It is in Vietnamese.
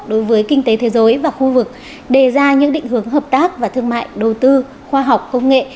đối với kinh tế thế giới và khu vực đề ra những định hướng hợp tác và thương mại đầu tư khoa học công nghệ